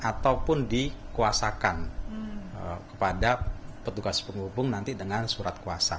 ataupun dikuasakan kepada petugas penghubung nanti dengan surat kuasa